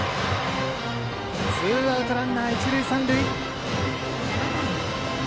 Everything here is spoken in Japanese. ツーアウトランナー、一塁三塁。